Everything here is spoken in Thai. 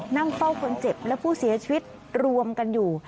นั่งเฝ้าคนเจ็บและผู้เสียชีวิตรวมกันอยู่